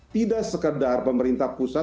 tidak sekedar pemerintah pusat